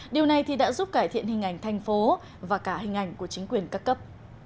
điều này đã giúp cải thiện hình ảnh thành phố và cả hình ảnh của chính quyền các cấp